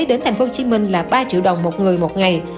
đến thành phố hồ chí minh là ba triệu đồng một người một ngày